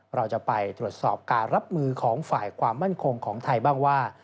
เราจะไปตรวจสอบการรับมือของฝ่ายความมั่นคงของไทยบ้างว่า